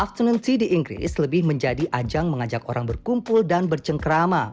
afternoon tea di inggris lebih menjadi ajang mengajak orang berkumpul dan bercengkrama